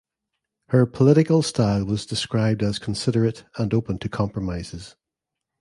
Her political style was described as considerate and open to compromises.